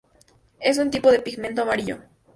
Es un tipo de pigmento amarillo.